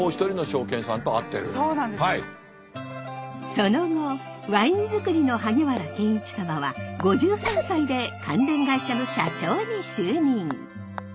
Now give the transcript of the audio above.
その後ワイン作りの萩原健一サマは５３歳で関連会社の社長に就任。